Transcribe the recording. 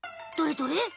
どれどれ？